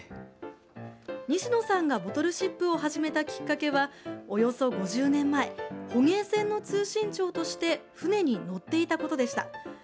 西野さんがボトルシップを始めたきっかけはおよそ５０年前捕鯨船の通信長として船に乗っていたことでした。